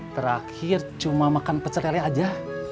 terakhir cuma makan pecele aja